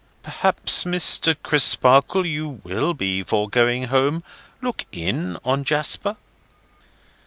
Perhaps, Mr. Crisparkle, you will, before going home, look in on Jasper?"